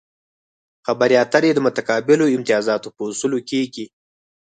خبرې اترې د متقابلو امتیازاتو په اصولو کیږي